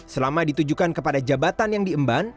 selama ditujukan kepada jabatan yang diemban